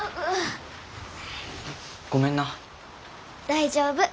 大丈夫。